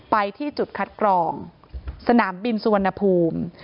ไปที่จุดคัดกรองสนามบินสุวรรณภูมิ